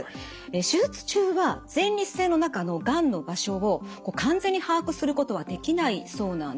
手術中は前立腺の中のがんの場所を完全に把握することはできないそうなんです。